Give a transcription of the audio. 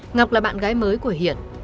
ngọc là bạn gái mới của hiển